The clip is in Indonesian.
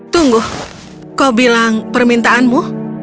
tunggu kau bilang permintaanmu